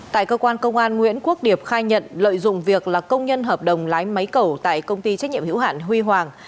tại cơ quan công an nguyễn quốc điệp khai nhận lợi dụng việc là công nhân hợp đồng lái máy cầu tại công ty trách nhiệm hữu hạn huy hoàng